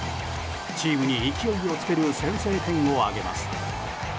チームに勢いをつける先制点を上げます。